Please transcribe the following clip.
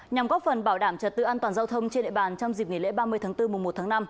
nhằm góp phần bảo đảm trật tự an toàn giao thông trên địa bàn trong dịp nghỉ lễ ba mươi tháng bốn mùa một tháng năm